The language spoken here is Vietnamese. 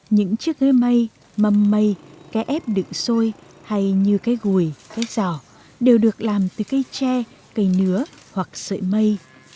những chiếc gây mây mâm mây cây ép đựng xôi hay như cây gùi cây giỏ đều được làm từ cây tre cây nứa hoặc sợi mây